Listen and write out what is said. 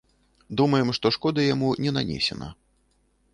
Думаем, што шкоды яму не нанесена.